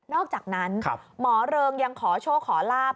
อกจากนั้นหมอเริงยังขอโชคขอลาบ